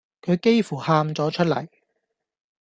佢幾乎喊咗出嚟